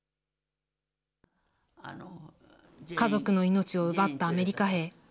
家族の命を奪ったアメリカ兵。